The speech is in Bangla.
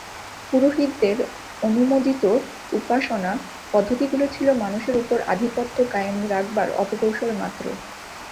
পুরোহিতদের অনুমোদিত উপাসনা পদ্ধতিগুলি ছিল মানুষের উপর আধিপত্য কায়েম রাখবার অপকৌশল মাত্র।